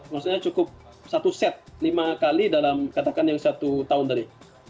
maksudnya cukup satu set lima kali dalam katakan yang satu tahun tadi